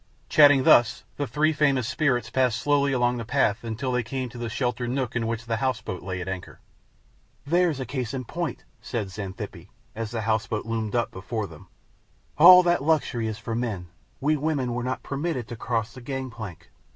Chatting thus, the three famous spirits passed slowly along the path until they came to the sheltered nook in which the house boat lay at anchor. "There's a case in point," said Xanthippe, as the house boat loomed up before them. "All that luxury is for men; we women are not permitted to cross the gangplank.